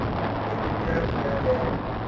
لیکن کیا کیا جائے۔